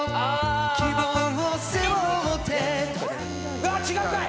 うわっ違うんかい！